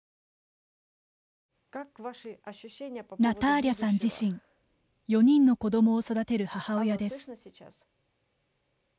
ナターリャさん自身４人の子どもを育てる母親です。